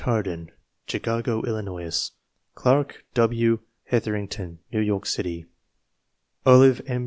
Harden, Chicago, Illinois Clark W. Hetherington, New York City Olive M.